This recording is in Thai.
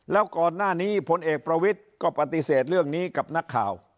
แล้วก่อนหน้านี้พลเอกประวิทย์ก็ปฏิเสธเรื่องนี้กับนักข่าว